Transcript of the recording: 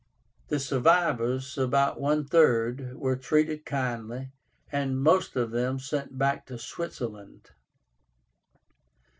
The survivors, about one third, were treated kindly, and most of them sent back to Switzerland.